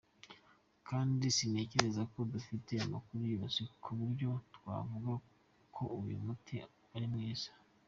Kandi sintekereza ko dufite amakuru yose ku buryo twavuga ko uyu muti ari mwiza.